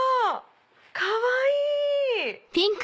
かわいい！